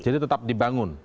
jadi tetap dibangun